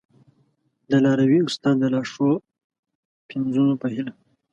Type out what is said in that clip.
د لاروي استاد د لا ښو پنځونو په هیله!